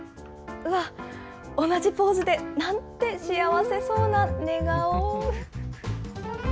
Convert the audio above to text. うわっ、同じポーズでなんて幸せそうな寝顔。